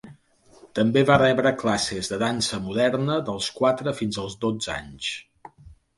També va rebre classes de dansa moderna dels quatre fins als dotze anys.